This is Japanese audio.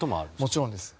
もちろんです。